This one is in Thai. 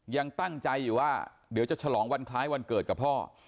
ยังตั้งใจอยู่ว่าเดี๋ยวจะฉลองวันคล้ายวันเกิดกับพ่อ